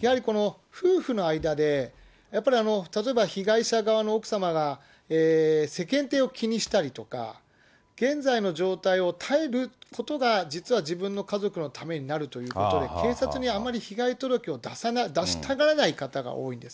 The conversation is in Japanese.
やはり夫婦の間で、やっぱり被害者側の奥様が世間体を気にしたりとか、現在の状態を耐えることが、実は自分の家族のためになるということで、警察にあまり被害届を出さない、出したがらない方が多いんです。